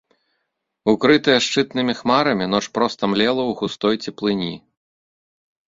Укрытая шчытнымі хмарамі, ноч проста млела ў густой цеплыні.